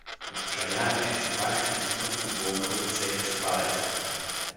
Отчаяние, страх и смъртна болка обзеха стареца.